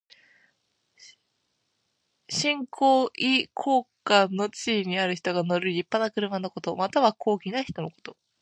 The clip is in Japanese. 身高位高官の地位にある人が乗るりっぱな車のこと。または、高貴な人のこと。